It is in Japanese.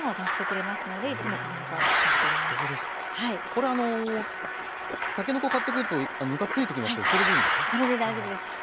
これあのたけのこ買ってくるとぬかついてきますけどそれでいいんですか？